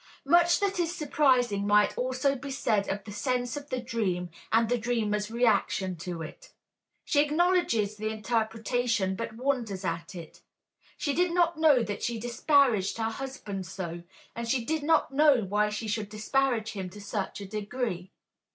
Much that is surprising might also be said of the sense of the dream and the dreamer's reaction to it. She acknowledges the interpretation but wonders at it. She did not know that she disparaged her husband so, and she did not know why she should disparage him to such a degree.